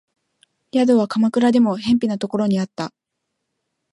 宿は鎌倉でも辺鄙なところにあった